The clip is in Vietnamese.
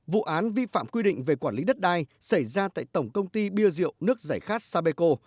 vụ án vi phạm quy định về quản lý đất đai xảy ra tại tổng công ty bia rượu nước giải khát sapeco